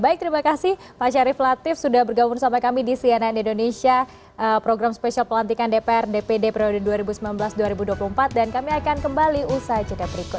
baik terima kasih pak syarif latif sudah bergabung sama kami di cnn indonesia program spesial pelantikan dpr dpd prioritas dua ribu sembilan belas dua ribu dua puluh empat dan kami akan kembali usai jeda berikut